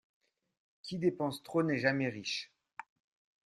Qui dépense trop n’est jamais riche.